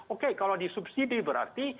oke kalau di subsidi berarti